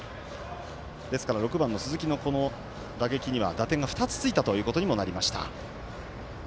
ですから、６番の鈴木の打撃には打点が２つついたということにもなりました。